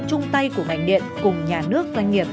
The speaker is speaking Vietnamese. chung tay của ngành điện cùng nhà nước doanh nghiệp